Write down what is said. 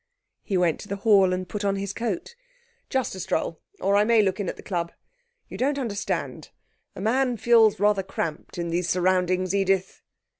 He went to the hall and put on his coat. 'Just a stroll; or I may look in at the club. You don't understand; a man feels rather cramped in these surroundings, Edith.'